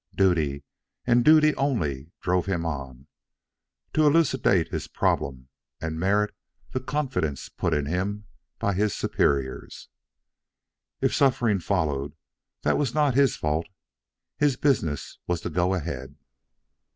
Duty, and duty only, drove him on to elucidate his problem and merit the confidence put in him by his superiors. If suffering followed, that was not his fault; his business was to go ahead.